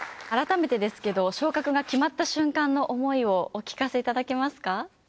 改めてですけど昇格が決まった瞬間の思いをお聞かせいただけますか？